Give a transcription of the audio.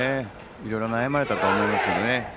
いろいろ悩まれたと思います。